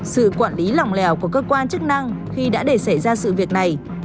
sự quản lý lòng lèo của cơ quan chức năng khi đã để xảy ra sự việc này